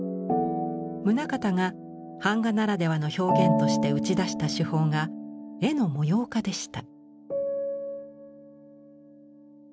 棟方が板画ならではの表現として打ち出した手法が絵の模様化でした。